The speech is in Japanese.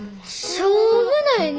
しょうもないな！